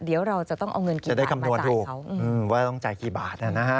เดี๋ยวเราจะต้องเอาเงินกี่บาทมาจ่ายเขา